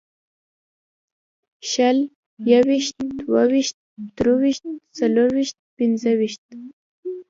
شل یوویشت دوهویشت درویشت څلېرویشت پنځهویشت